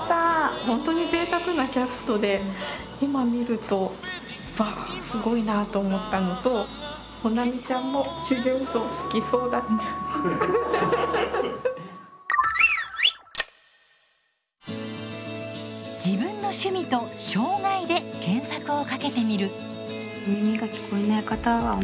本当にぜいたくなキャストで今観ると「わあすごいな！」と思ったのと保奈美ちゃんも「自分の趣味」と「障がい」で検索をかけてみる。